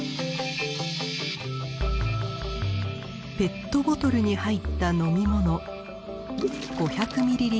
ペットボトルに入った飲み物５００ｍｌ。